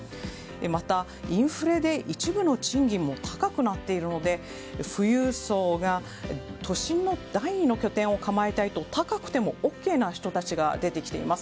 またインフレで一部の賃金も高くなっているので富裕層が都心の第２の拠点を構えたいと、高くてもＯＫな人たちが出てきています。